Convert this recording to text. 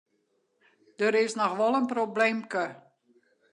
Der is noch wol in probleemke.